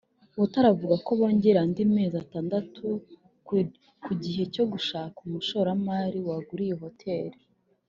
Butare avuga ko bongereye andi mezi atandatu ku gihe cyo gushaka umushoramari wagura iyi hotel